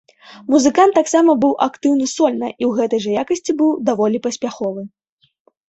Музыкант таксама быў актыўны сольна і ў гэтай жа якасці быў даволі паспяховы.